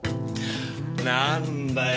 何だよ